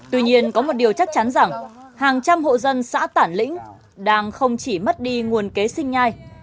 tuy nhiên có một điều chắc chắn rằng hàng trăm hộ dân xã tản lĩnh đang không chỉ mất đi nguồn kế sinh nhai